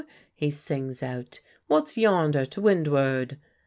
he sings out. "What's yonder to windward?"